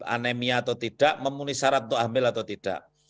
anemia atau tidak memenuhi syarat untuk hamil atau tidak